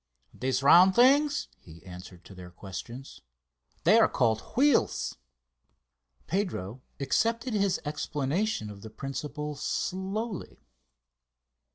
"These round things?" he answered to their questions; "they are called wheels." Pedro accepted his explanation of the principle slowly.